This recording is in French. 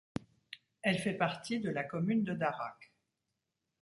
Elle fait partie de la commune de Darak.